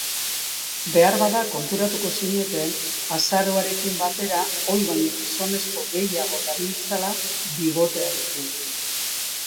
Beharbada konturatuko zineten azaroarekin batera ohi baino gizonezko gehiago dabiltzala bibotearekin.